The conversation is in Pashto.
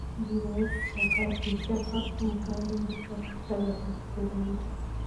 د ادارې په چوکاټ کې شفافه همکاري د پرمختګ لپاره ضروري ده.